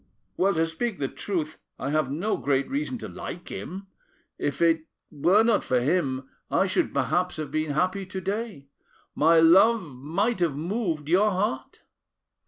"Well, to speak the truth, I have no great reason to like him. If it were not for him, I should perhaps have been happy to day; my love might have moved your heart.